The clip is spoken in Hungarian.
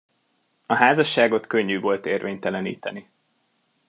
A házasságot könnyű volt érvényteleníteni.